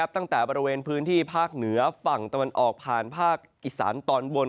ตั้งแต่บริเวณพื้นที่ภาคเหนือฝั่งตะวันออกผ่านภาคอีสานตอนบน